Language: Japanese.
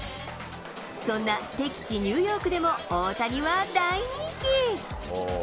そんな適地、ニューヨークでも大谷は大人気。